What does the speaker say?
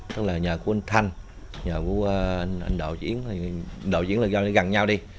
tức là nhà của anh thanh nhà của anh đạo diễn đạo diễn gần nhau đi